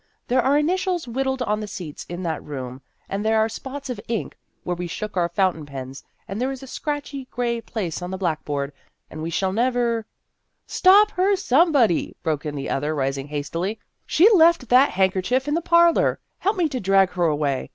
There are initials whittled on the seats in that room, and there are spots of ink where we shook our fountain pens, and there is a scratchy gray place on the blackboard, and we shall never " Stop her, somebody !" broke in the other, rising hastily ;" she left that hand kerchief in the parlor. Help me to drag her away.